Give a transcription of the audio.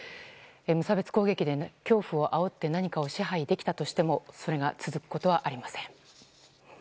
無差別攻撃で恐怖をあおって何かを支配できたとしてもそれが続くことはありません。